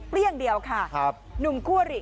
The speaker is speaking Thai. เปรี้ยงเดียวค่ะหนุ่มคู่อลิ